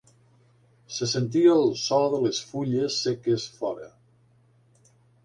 Se sentia el so de les fulles seques fora.